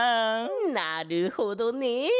なるほどね！